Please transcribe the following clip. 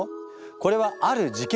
これはある事件